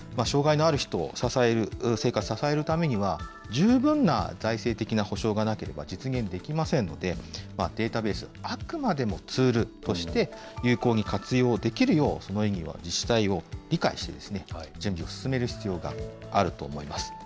障害のある人を支える、生活支えるためには、十分な財政的な保障がなければ実現できませんので、データベース、あくまでもツールとして、有効に活用できるよう、その意義を自治体は理解してですね、準備を進める必要があると思います。